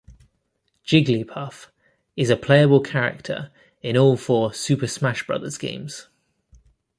Jigglypuff is a playable character in all four "Super Smash Brothers" games.